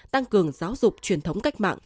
tăng cường giáo dục truyền thống cách mạng